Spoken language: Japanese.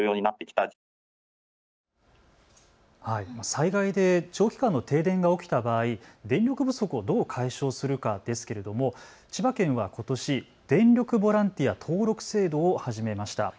災害で長期間の停電が起きた場合、電力不足をどう解消するかですけれども千葉県はことし電力ボランティア登録制度を始めました。